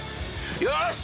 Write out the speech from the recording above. よし！